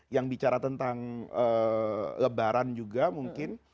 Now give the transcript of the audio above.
yang bicara tentang lebaran juga mungkin